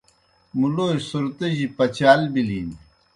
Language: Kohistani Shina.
مُلوئے صُرتِجیْ پچال بِلِن۔